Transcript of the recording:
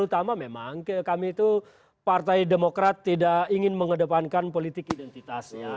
terutama memang kami itu partai demokrat tidak ingin mengedepankan politik identitas ya